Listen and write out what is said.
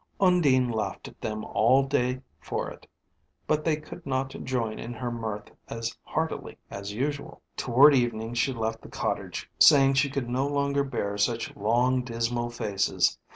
Undine laughed at them all day for it, but they could not join in her mirth as heartily as usual. Toward evening she left the cottage, saying she could no longer bear such long dismal faces.